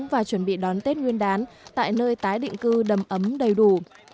và chuẩn bị đón tết nguyên đán tại nơi tái định cư đầm ấm đầy đủ